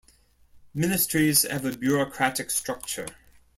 Ministries have a bureaucratic structure.